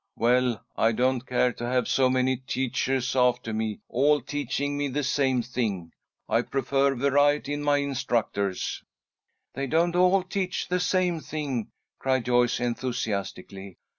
"Well, I don't care to have so many teachers after me, all teaching me the same thing. I prefer variety in my instructors." "They don't all teach the same thing," cried Joyce, enthusiastically.